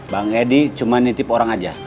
bang edi cuma nitip orang aja